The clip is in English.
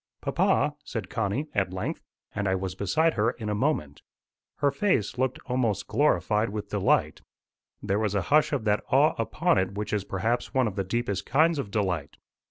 "Papa," said Connie at length, and I was beside her in a moment. Her face looked almost glorified with delight: there was a hush of that awe upon it which is perhaps one of the deepest kinds of delight.